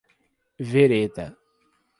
Vereda